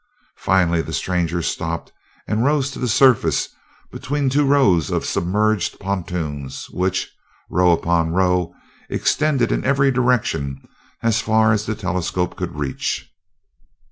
Finally the stranger stopped and rose to the surface between two rows of submerged pontoons which, row upon row, extended in every direction as far as the telescope could reach.